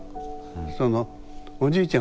そのおじいちゃん